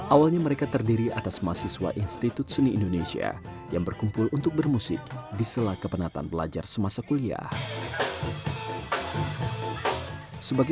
awalnya mereka terdiri atas mahasiswa institut seni indonesia yang berkumpul untuk bermusik diselaka penataan belajar semasa kuliahnya